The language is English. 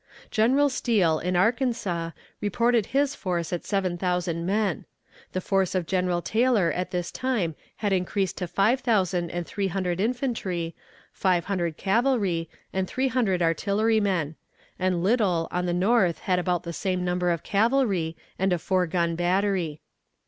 General Steele, in Arkansas, reported his force at seven thousand men. The force of General Taylor at this time had increased to five thousand and three hundred infantry, five hundred cavalry, and three hundred artillerymen; and Liddel on the north had about the same number of cavalry and a four gun battery.